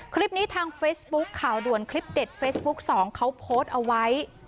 คลิปนี้ทางเฟซบุ๊คข่าวด่วนคลิปเด็ดเฟซบุ๊ค๒เขาโพสต์เอาไว้